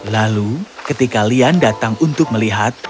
lalu ketika lian datang untuk melihat